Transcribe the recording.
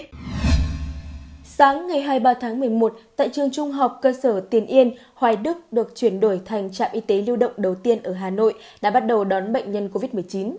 sáng ngày hai mươi ba tháng một mươi một tại trường trung học cơ sở tiền yên hoài đức được chuyển đổi thành trạm y tế lưu động đầu tiên ở hà nội đã bắt đầu đón bệnh nhân covid một mươi chín